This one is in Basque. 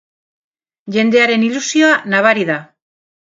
Jendearen ilusioa nabari da.